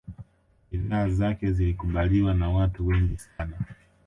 bidhaa zake zilikubaliwa na watu wengi sana